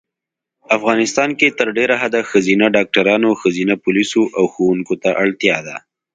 افغانیستان کې تر ډېره حده ښځېنه ډاکټرانو ښځېنه پولیسو او ښوونکو ته اړتیا ده